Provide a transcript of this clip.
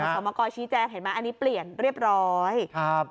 สอบมากรชี้แจงเห็นไหมอันนี้เปลี่ยนเรียบร้อยครับ